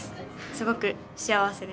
すごく幸せです。